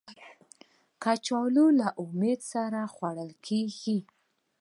کچالو له امید سره خوړل کېږي